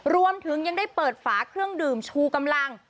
รวมถึงยังได้เปิดฝาเครื่องดื่มชูกำลัง